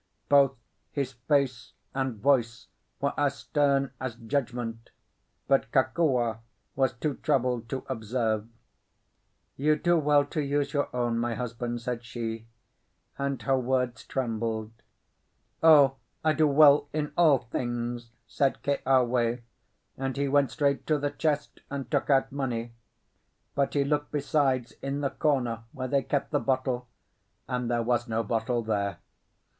Both his face and voice were as stern as judgment, but Kokua was too troubled to observe. "You do well to use your own, my husband," said she, and her words trembled. "O, I do well in all things," said Keawe, and he went straight to the chest and took out money. But he looked besides in the corner where they kept the bottle, and there was no bottle there.